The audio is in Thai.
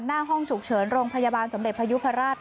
หน้าห้องฉุกเฉินโรงพยาบาลสมเด็จพยุพราช